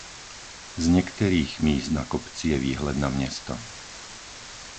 Z některých míst na kopci je výhled na město.